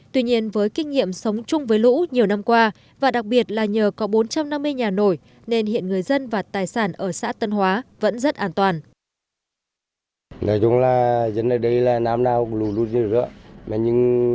tuy nhiên với kinh nghiệm sống chung với lũ nhiều năm qua và đặc biệt là nhờ có bốn trăm năm mươi nhà nổi nên hiện người dân và tài sản ở xã tân hóa vẫn rất an toàn